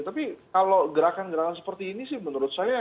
tapi kalau gerakan gerakan seperti ini sih menurut saya